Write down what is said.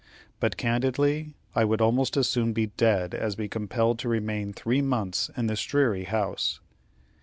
But candidly, I would almost as soon be dead as be compelled to remain three months in this dreary house."